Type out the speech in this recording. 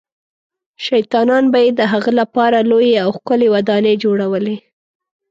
شیطانان به یې د هغه لپاره لویې او ښکلې ودانۍ جوړولې.